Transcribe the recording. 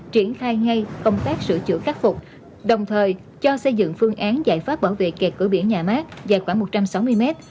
triển khai ngay công tác sửa chữa khắc phục đồng thời cho xây dựng phương án giải pháp bảo vệ kẹt cửa biển nhà mát dài khoảng một trăm sáu mươi mét